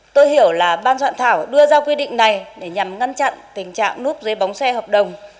tôi hiểu là ban soạn thảo đưa ra quy định này để nhằm ngăn chặn tình trạng núp dưới bóng xe hợp đồng